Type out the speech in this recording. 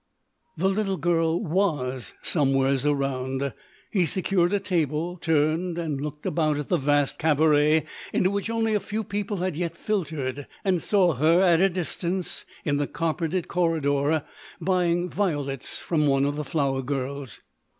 "The little girl" was "somewheres around." He secured a table, turned and looked about at the vast cabaret into which only a few people had yet filtered, and saw her at a distance in the carpeted corridor buying violets from one of the flower girls.